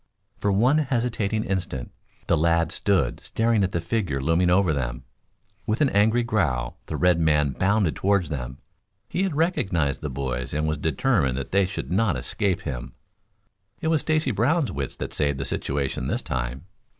For one hesitating instant the lads stood staring at the figure looming over them. With an angry growl the red man bounded toward them. He had recognized the boys and was determined that they should not escape him. It was Stacy Brown's wits that saved the situation this time.